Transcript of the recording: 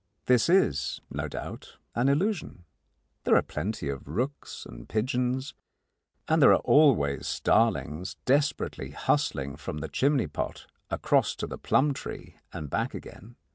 This is, no doubt, an illusion. There are plenty of rooks and pigeons, and there are always starlings desperately hustling from the chimney pot across to the plum tree and back again.